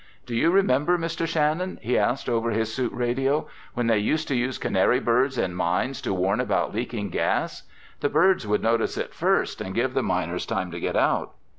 "Do you remember, Mr. Shannon," he asked over his suit radio, "when they used to use canary birds in mines to warn about leaking gas? The birds would notice it first and give the miners time to get out."